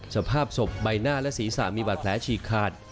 สภาพศพใบหน้าและศีรษะมีบาดแผลฉีกขาด